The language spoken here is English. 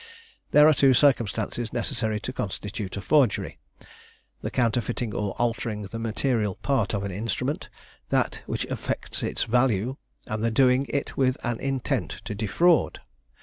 There are two circumstances necessary to constitute a forgery, the counterfeiting or altering the material part of an instrument, that which affects its value, and the doing it with an intent to defraud.